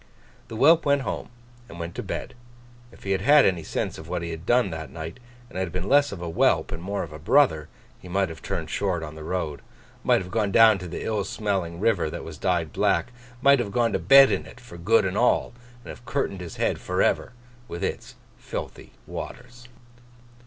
The whelp went home, and went to bed. If he had had any sense of what he had done that night, and had been less of a whelp and more of a brother, he might have turned short on the road, might have gone down to the ill smelling river that was dyed black, might have gone to bed in it for good and all, and have curtained his head for ever with its filthy waters.